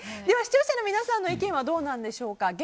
では視聴者の皆さんの意見はどうなんでしょか。